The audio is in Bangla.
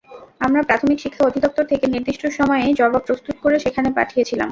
আমরা প্রাথমিক শিক্ষা অধিদপ্তর থেকে নির্দিষ্ট সময়েই জবাব প্রস্তুত করে সেখানে পাঠিয়েছিলাম।